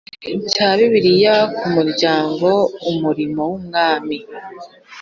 cya Bibiliya ku muryango Umurimo w Ubwami